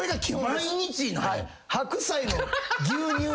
毎日なの！？